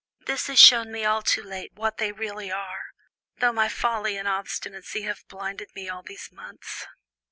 This has shown me all too late what they really are, though my folly and obstinacy have blinded me all these months."